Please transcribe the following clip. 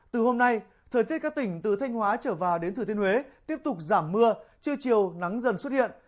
từ hôm nay thời tiết các tỉnh từ thanh hóa trở vào đến thừa thiên huế tiếp tục giảm mưa trưa chiều nắng dần xuất hiện